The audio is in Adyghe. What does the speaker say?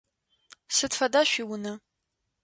Сыд фэда шъуиунэ?